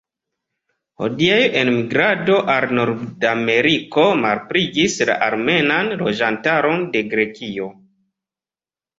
Hodiaŭ, enmigrado al Nordameriko malpliigis la armenan loĝantaron de Grekio.